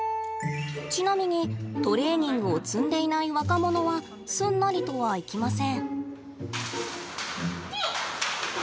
ちなみにトレーニングを積んでいない若者はすんなりとはいきません。